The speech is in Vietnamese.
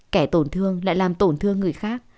kẻ tổn thương lại làm tổn thương người khác